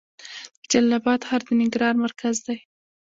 د جلال اباد ښار د ننګرهار مرکز دی